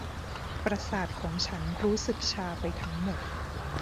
ประสาทของฉันรู้สึกชาไปทั้งหมด